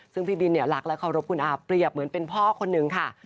ซึ่งพี่บินเนี่ยรักและเคารพคุณอาเปรียบเหมือนเป็นพ่อคนหนึ่งค่ะ